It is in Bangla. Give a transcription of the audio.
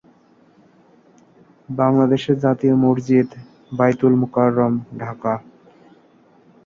সম্রাট ইয়াং নতুন পরিকল্পনা করেন।